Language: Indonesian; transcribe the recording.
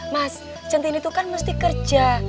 mas centin itu kan mesti kerja